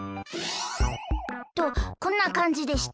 とこんなかんじでした。